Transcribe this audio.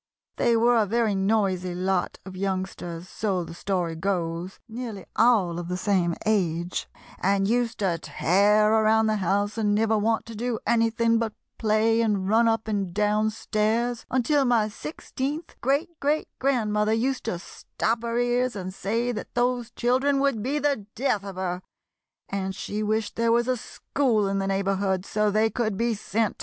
They were a very noisy lot of youngsters, so the story goes, nearly all of the same age, and used to tear around the house and never want to do anything but play and run up and down stairs until my sixteenth great great grandmother used to stop her ears and say that those children would be the death of her, and she wished there was a school in the neighborhood so they could be sent to it."